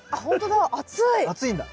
暑いんだ。